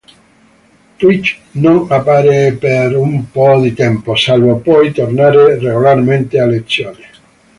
Rich non appare per un po' di tempo, salvo poi tornare regolarmente a lezione.